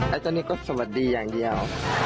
แล้วตอนนี้ก็สวัสดีอย่างเดียว